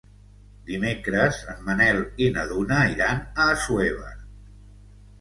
Dimecres en Manel i na Duna iran a Assuévar.